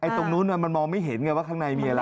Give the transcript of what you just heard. ตรงนู้นมันมองไม่เห็นไงว่าข้างในมีอะไร